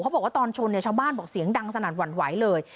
เขาบอกว่าตอนชนชาวบ้านบอกเสียงดังสนัดหวั่นไหวเลย